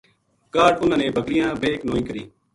کاہڈ اُنھاں نے بکریاں بِہک نوئی کری